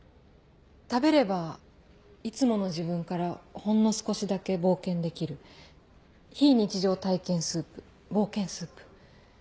食べればいつもの自分からほんの少しだけ冒険できる非日常体験スープ「冒険スープ」。